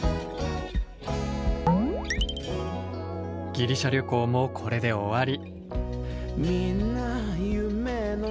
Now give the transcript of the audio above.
ギリシャ旅行もこれで終わり。